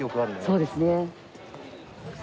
そうですね。